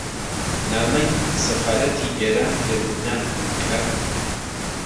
نامەی سەفارەتی ئێران لە لوبنان بوو کە: